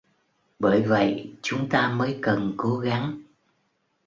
bởi vậy chúng ta mới cần cố gắng